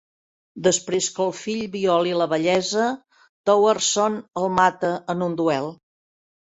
Després que el fill violi la bellesa, Towerson el mata en un duel.